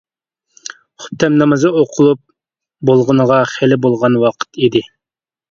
خۇپتەن نامىزى ئوقۇلۇپ بولغىنىغا خېلى بولغان ۋاقىت ئىدى.